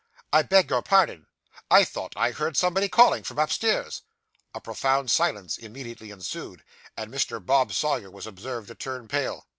I beg your pardon. I thought I heard somebody calling from upstairs.' A profound silence immediately ensued; and Mr. Bob Sawyer was observed to turn pale.